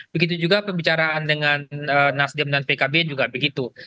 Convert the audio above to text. begitu juga pembicaraan dengan nasdem dan pkb juga begitu